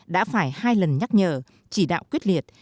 đã phải hai lần nhắc nhở chỉ đạo quyết liệt